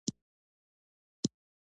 افغانستان کې ښارونه په هنر کې منعکس کېږي.